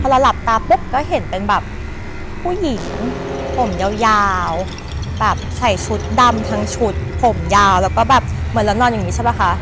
เราหลับตาปุ๊บก็เห็นเป็นแบบผู้หญิงผมยาวแบบใส่ชุดดำทั้งชุดผมยาวแล้วก็แบบเหมือนเรานอนอย่างนี้ใช่ป่ะคะ